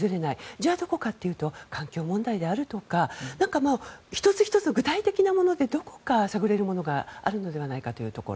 じゃあどこかというと環境問題であるとか１つ１つ具体的なものでどこか探れるものがあるのではないかというところ。